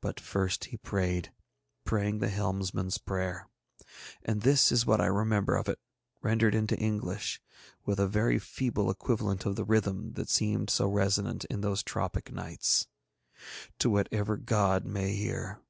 But first he prayed, praying the helmsman's prayer. And this is what I remember of it, rendered into English with a very feeble equivalent of the rhythm that seemed so resonant in those tropic nights. To whatever god may hear.